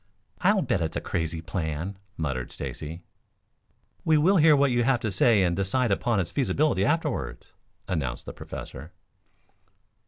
"I'll bet it's a crazy plan," muttered Stacy. "We will hear what you have to say and decide upon its feasibility afterwards," announced the Professor.